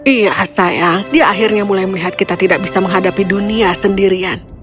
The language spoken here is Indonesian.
iya sayang dia akhirnya mulai melihat kita tidak bisa menghadapi dunia sendirian